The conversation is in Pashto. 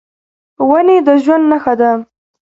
ونې د ژوند نښه ده.